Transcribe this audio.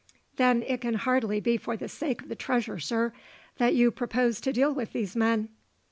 "Then it can hardly be for the sake of the treasure, sir, that you propose to deal with these men."